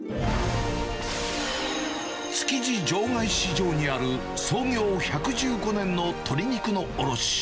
築地場外市場にある、創業１１５年の鶏肉の卸。